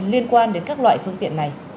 liên quan đến các loại phương tiện này